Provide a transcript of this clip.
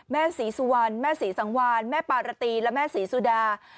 แม่สีสุวรรณแม่สีสังวรรณแม่ปลารตีและแม่สีสุดา